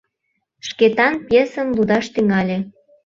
Шкетан пьесым лудаш тӱҥале.